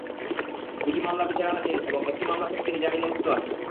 দুটি মামলা বিচারাধীন এবং একটি মামলা থেকে তিনি জামিনে মুক্ত আছেন।